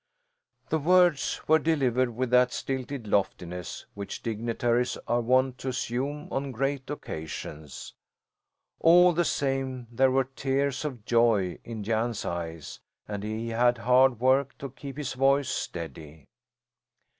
The words were delivered with that stilted loftiness which dignitaries are wont to assume on great occasions. All the same, there were tears of joy in Jan's eyes and he had hard work to keep his voice steady.